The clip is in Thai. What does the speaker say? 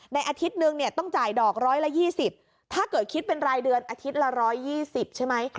อาทิตย์นึงเนี่ยต้องจ่ายดอกร้อยละ๒๐ถ้าเกิดคิดเป็นรายเดือนอาทิตย์ละ๑๒๐ใช่ไหม